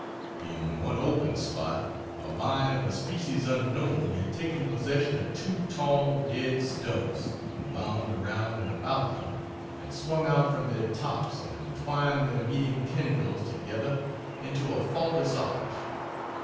"In one open spot a vine of a species unknown had taken possession of two tall dead stumps, and wound around and about them, and swung out from their tops, and twined their meeting tendrils together into a faultless arch.